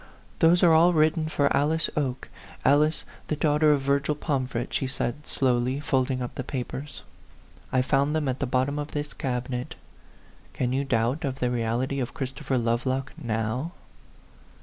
"Those are all written for Alice Oke Alice, the daughter of Virgil Pomfret," she said, slowly, folding up the papers. " I found them at the bottom of this cabinet. Can you doubt of the reality of Christopher Lovelock now